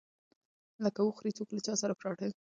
لکه وخوري څوک له چاى سره پراټه.